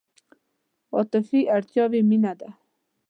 عاطفي اړتیاوې مینه ده.